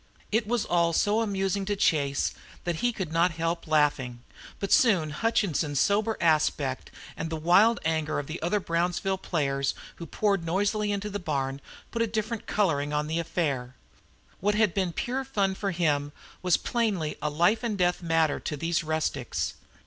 It was all so amusing to Chase that he could not help laughing, but soon Hutchinson's sober aspect, and the wild anger of the other Brownsville players, who poured noisily into the barn, put a different coloring on the affair. What had been pure fun for him was plainly a life and death matter to these rustics.